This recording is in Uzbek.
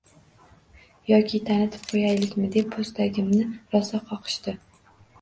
Yoki tanitib qo`yalikmi deb po`stagimni rosa qoqishdi